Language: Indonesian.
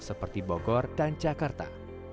seperti bogor dan jakarta